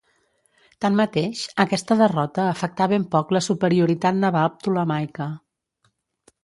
Tanmateix, aquesta derrota afectà ben poc la superioritat naval ptolemaica.